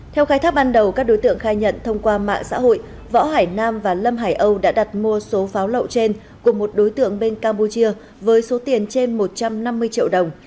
theo khai thác ban đầu các đối tượng khai nhận thông qua mạng xã hội võ hải nam và lâm hải âu đã đặt mua số pháo lậu trên của một đối tượng bên campuchia với số tiền trên một trăm năm mươi triệu đồng